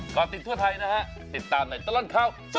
กระติกทั่วไทยติดตามให้ตลอดคราวสุดสัปดาห์